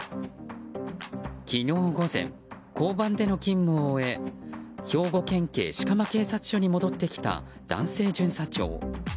昨日午前、交番での勤務を終え兵庫県警飾磨警察署に戻ってきた男性巡査長。